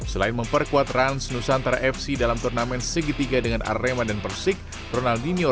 selain memperkuat rans nusantara fc dalam turnamen segitiga dengan arema dan persik ronaldinho